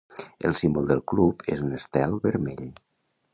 El símbol del club és un estel vermell.